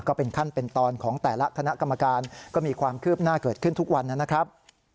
ก็เป็นขั้นเป็นตอนของแต่ละคณะกรรมการก็มีความคืบหน้าเกิดขึ้นทุกวันนะครับ